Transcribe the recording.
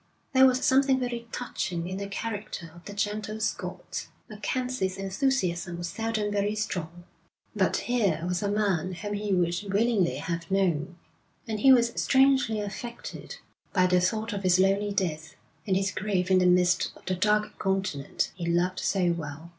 There was something very touching in the character of that gentle Scot. MacKenzie's enthusiasm was seldom very strong, but here was a man whom he would willingly have known; and he was strangely affected by the thought of his lonely death, and his grave in the midst of the Dark Continent he loved so well.